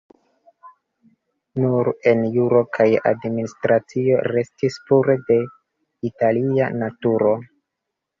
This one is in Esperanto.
Nur en juro kaj administracio restis pure de Italia naturo.